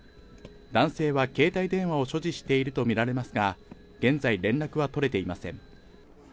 男性は携帯電話を所持しているとみられますが、現在、連絡は取れていません。